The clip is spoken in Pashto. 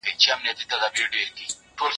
مطالعه وکړه!؟